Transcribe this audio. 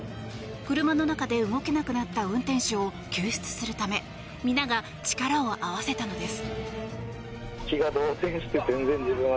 車の中で動けなくなった運転手を救出するため皆が力を合わせたのです。